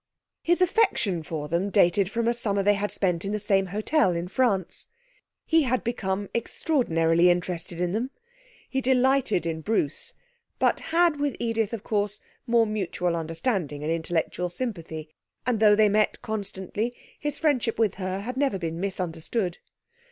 His affection for them dated from a summer they had spent in the same hotel in France. He had become extraordinarily interested in them. He delighted in Bruce, but had with Edith, of course, more mutual understanding and intellectual sympathy, and though they met constantly, his friendship with her had never been misunderstood.